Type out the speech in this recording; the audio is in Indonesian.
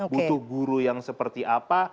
butuh guru yang seperti apa